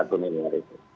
satu miliar itu